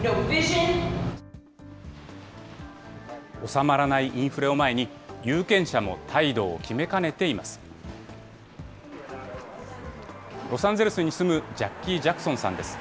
収まらないインフレを前に、有権者も態度を決めかねています。